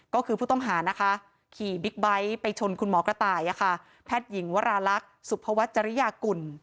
ก็คือผู้ต้องหานะคะขี่บิ๊กไบท์ไปชนคุณหมอกระต่ายแพทย์หญิงวราลักษณ์สุภวัชริยากุล